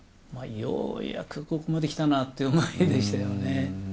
ようやくここまで来たなっていう思いでしたよね。